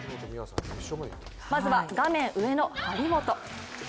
まずは画面上の張本。